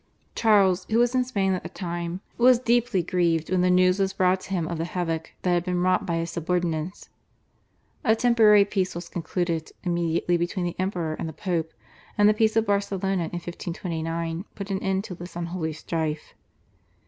Charles, who was in Spain at the time, was deeply grieved when the news was brought to him of the havoc that had been wrought by his subordinates. A temporary peace was concluded immediately between the Emperor and the Pope, and the peace of Barcelona in 1529 put an end to this unholy strife.